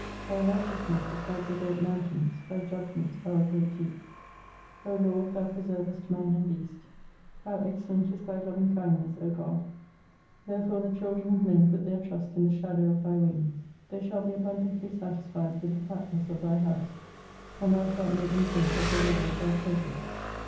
Thy righteousness is like the great mountains, Thy^ judgments are a great deep : O Lord, thou preservest man and beast. LLow excellent is Thy lovi7tg kindness, O God ! Therefore the child7 en of men put their trust in the shadow of Thy wings. They shall be abundantly satisfied ivith the fatness of Thy house ; and Thou shall make them drink of the river of Thy pleasures.